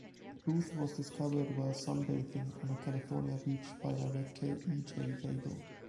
Booth was discovered while sunbathing on a California beach by director E. J. Babille.